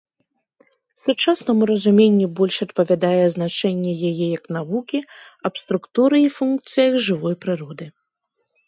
Сучаснаму разуменню больш адпавядае азначэнне яе як навукі аб структуры і функцыях жывой прыроды.